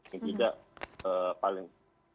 jadi tidak paling